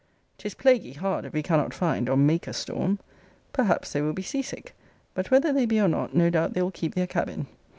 'Tis plaguy hard, if we cannot find, or make a storm. Perhaps they will be sea sick: but whether they be or not, no doubt they will keep their cabin.